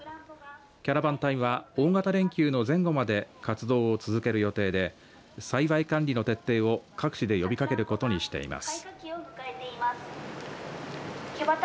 キャラバン隊は大型連休の前後まで活動を続ける予定で栽培管理の徹底を各地で呼びかけることにしています。